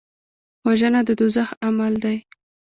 وژنه د دوزخ عمل دی